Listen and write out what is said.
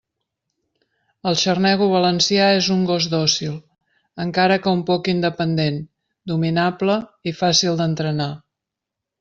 El xarnego valencià és un gos dòcil, encara que un poc independent, dominable i fàcil d'entrenar.